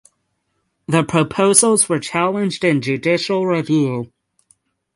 The proposals were challenged in judicial review.